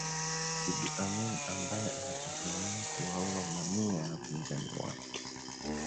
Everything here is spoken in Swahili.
Idi Amin ambaye anatuhumiwa kuwaua mamia ya wapinzani wake